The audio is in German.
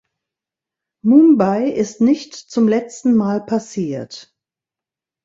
Mumbai ist nicht zum letzten Mal passiert.